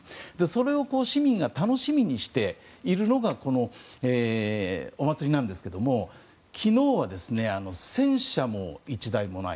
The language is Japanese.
それを市民が楽しみにしているのがこのお祭りなんですが昨日は戦車も１台もない。